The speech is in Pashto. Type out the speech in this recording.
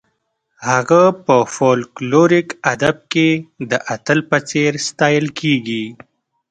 هغه په فولکلوریک ادب کې د اتل په څېر ستایل کیږي.